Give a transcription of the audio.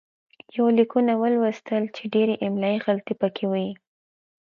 يونليکونه ولوستل چې ډېره املايي غلطي پکې وې